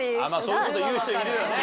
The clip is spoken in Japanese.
そういうこと言う人いるよね。